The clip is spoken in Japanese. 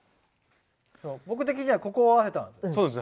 僕的にはここを合わせたんです。